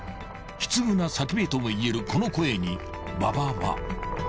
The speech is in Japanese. ［悲痛な叫びとも言えるこの声に馬場は］